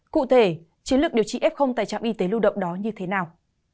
cụ thể chiến lược điều trị f tại trạm y tế lưu động đó như thế nào